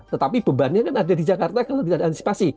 tetapi bebannya kan ada di jakarta kalau tidak ada antisipasi